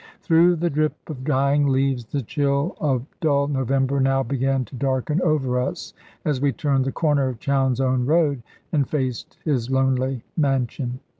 Through the drip of dying leaves, the chill of dull November now began to darken over us as we turned the corner of Chowne's own road, and faced his lonely mansion.